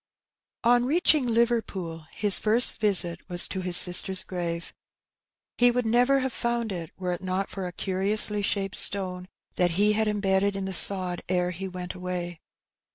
On reaching Liverpool, his first visit was to his sister's grave. He would never have found it, were it not for a curiously shaped stone that he had embedded in the sod ere he went away.